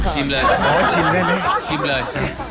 ชิมเลย